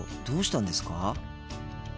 どうしたんですか？